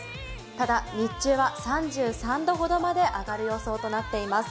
ただ日中は３３度ほどまで上がる予想となっています。